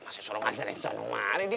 masih suruh antarin selalu mari deh